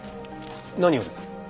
何をです？